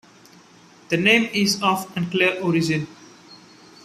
The name is of unclear origin.